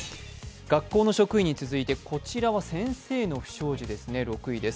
学校の職員に続いてこちらは先生の不祥事ですね、６位です。